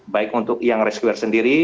baik untuk yang rescuer sendiri